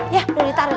ya udah ditaruh